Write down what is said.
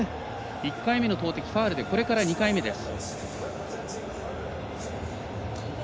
１回目の投てきファウルで２回目です。